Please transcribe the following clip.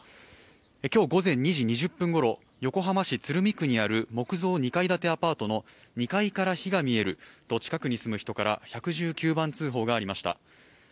今日午前２時２０分ごろ、横浜市鶴見区にある木造２階建てアパートの２回から火が見えると近くに住む人から１１９番通報がありました。